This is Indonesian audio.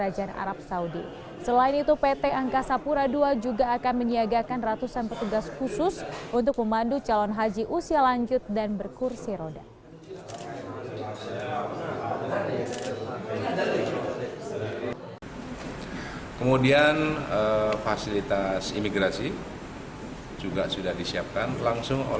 jalan keberangkatan calon haji usia lanjut dan berkursi roda